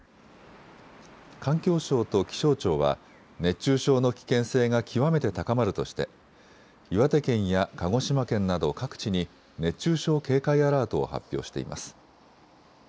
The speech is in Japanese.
環境省と気象庁は熱中症の危険性が極めて高まるとして岩手県や鹿児島県など各地に熱中症警戒アラートを発表しています。